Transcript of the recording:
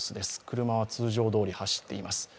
車は通常どおり走っています。